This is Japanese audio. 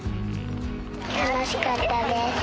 楽しかったです。